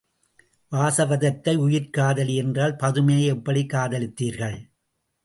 வாசவதத்தையே உயிர்க் காதலி என்றால், பதுமையை எப்படிக் காதலித்தீர்கள்?